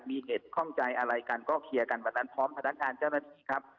มีเหตุข้องใจอะไรกันก็เคลียร์กันแบบนั้นพร้อมพนักงานเจ้าหน้าที่ครับ